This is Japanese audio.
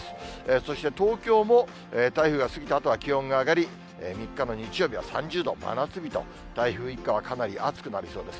そして東京も台風が過ぎたあとは気温が上がり、３日の日曜日は３０度、真夏日と、台風一過はかなり暑くなりそうです。